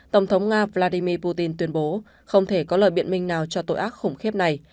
tổng thống nga vladimir putin tuyên bố không thể có lời biện minh nào cho tội ác khủng khiếp này